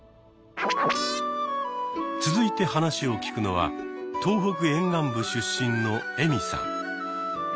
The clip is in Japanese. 続いて話を聞くのは東北沿岸部出身のエミさん。